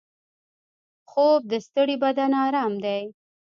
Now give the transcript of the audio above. خوب د ستړي بدن ارام دی